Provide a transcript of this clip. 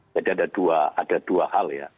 jadi ada dua hal